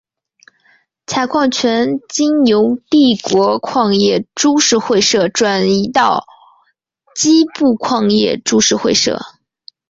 采矿权经由帝国矿业株式会社转移到矶部矿业株式会社。